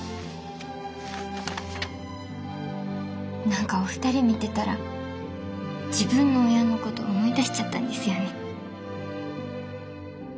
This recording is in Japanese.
何かお二人見てたら自分の親のこと思い出しちゃったんですよね。